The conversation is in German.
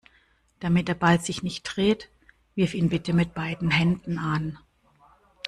Damit der Ball sich nicht dreht, wirf ihn bitte mit beiden Händen an.